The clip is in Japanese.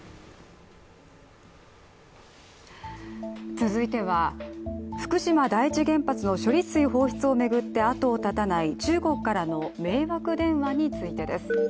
続いては、福島第一原発の処理水放出を巡って後を絶たない中国からの迷惑電話についてです